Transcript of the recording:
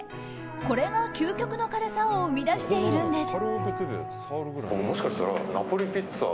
これが究極の軽さを生み出しているんです。